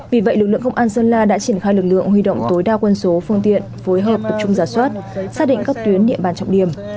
vì vậy lực lượng công an sơn la đã triển khai lực lượng huy động tối đa quân số phương tiện phối hợp tập trung giả soát xác định các tuyến địa bàn trọng điểm